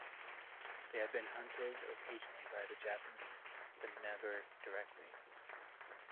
They have been hunted occasionally by the Japanese, but never directly.